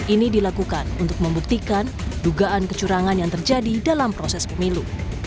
ini dilakukan untuk membuktikan dugaan kecurangan yang terjadi dalam proses pemilu